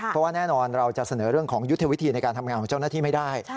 เพราะว่าแน่นอนเราจะเสนอเรื่องของยุทธวิธีในการทำงานของเจ้าหน้าที่ไม่ได้